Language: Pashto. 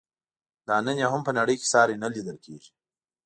دا نن یې هم په نړۍ کې ساری نه لیدل کیږي.